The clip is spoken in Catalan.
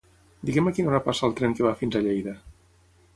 Digue'm a quina hora passa el tren que va fins a Lleida.